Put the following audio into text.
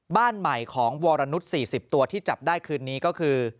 บ้านใหม่ของวรนุษย์๔๐ตัวที่จับได้คืนนี้ก็คือ